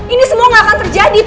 ini semua gak akan terjadi pak